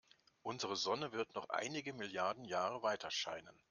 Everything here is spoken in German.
Unsere Sonne wird noch einige Milliarden Jahre weiterscheinen.